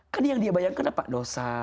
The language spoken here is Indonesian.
kan yang dia bayangkan apa dosa